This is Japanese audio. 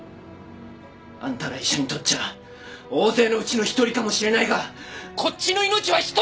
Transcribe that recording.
あんたら医者にとっちゃ大勢のうちの１人かもしれないがこっちの命は１つなんだよ！